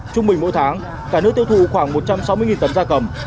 trung bình mỗi tháng cả nước tiêu thụ khoảng một trăm sáu mươi tấn da cầm